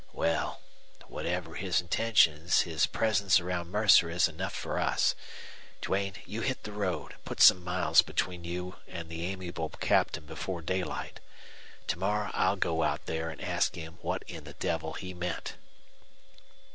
Well, whatever his intentions, his presence around Mercer is enough for us. Duane, you hit the road and put some miles between you the amiable Captain before daylight. To morrow I'll go out there and ask him what in the devil he meant."